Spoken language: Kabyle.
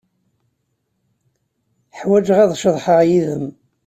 Ḥwajeɣ ad ceḍḥeɣ yid-m.